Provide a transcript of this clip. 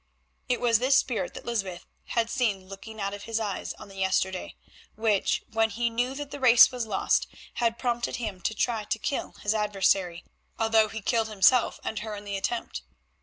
It was this spirit that Lysbeth had seen looking out of his eyes on the yesterday, which, when he knew that the race was lost, had prompted him to try to kill his adversary, although he killed himself and her in the attempt.